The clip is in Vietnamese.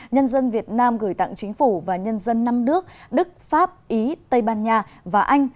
nhân dân việt nam gửi tặng chính phủ và nhân dân năm nước đức pháp ý tây ban nha và anh